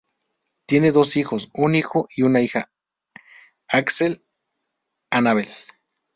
Tienen dos hijos, un hijo y una hija Aksel Annabelle.